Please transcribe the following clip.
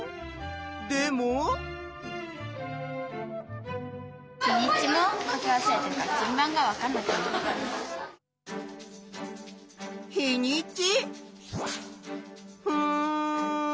でも？日にち？